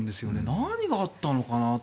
何があったのかなと。